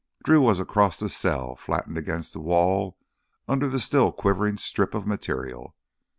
Drew was across the cell, flattened against the wall under the still quivering strip of material.